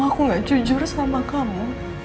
aku gak jujur sama kamu